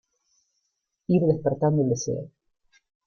ir despertando el deseo